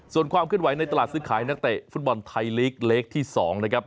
ส่วนความเคลื่อนไหวในตลาดซื้อขายนักเตะฟุตบอลไทยลีกเล็กที่๒นะครับ